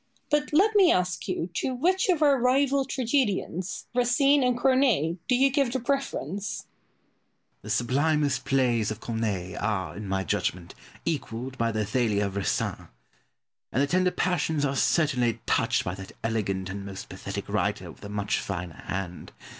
But let me ask you to which of our rival tragedians, Racine and Corneille, do you give the preference? Pope. The sublimest plays of Corneille are, in my judgment, equalled by the Athalia of Racine, and the tender passions are certainly touched by that elegant and most pathetic writer with a much finer hand.